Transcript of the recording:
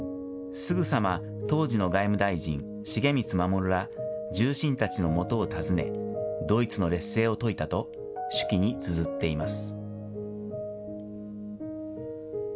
すぐさま当時の外務大臣、重光葵ら重臣たちのもとを訪ね、ドイツの劣勢を説いたと手記につづっています。